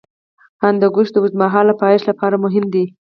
هندوکش د اوږدمهاله پایښت لپاره مهم دی.